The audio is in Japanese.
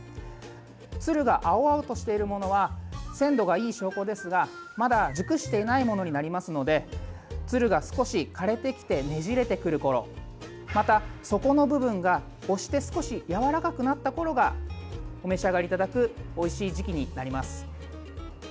つるが青々としているものは鮮度がいい証拠ですがまだ熟していないものになりますのでつるが少し枯れてきてねじれてくるころまた底の部分が、押して少しやわらかくなったころがお召し上がりいただくおいしい時期になります。